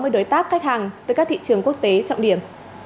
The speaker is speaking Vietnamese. sáu mươi đối tác khách hàng từ các thị trường quốc tế trọng điểm